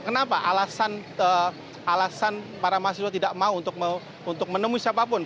kenapa alasan para mahasiswa tidak mau untuk menemui siapapun